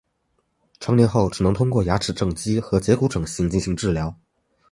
成年后只能通过牙齿正畸和截骨整形进行治疗。